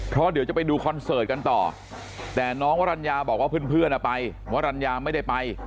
เพราะเดี๋ยวจะไปดูคอนเสิร์ตกันต่อแต่น้องวรรณญาบอกว่าเพื่อนไปวรรณยาไม่ได้ไป